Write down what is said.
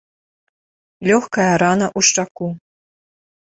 Лёгкая рана ў шчаку.